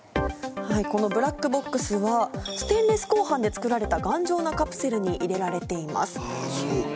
このブラックボックスはステンレス鋼板で作られた頑丈なカプセルに入れられています。